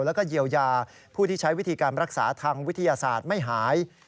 แล้วก็เยียวยาผู้ที่ใช้วิธีการรักษาทางวิทยาศาสตร์ไม่หาย